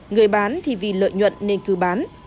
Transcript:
người bán thì vì lợi nhuận nên cứ bán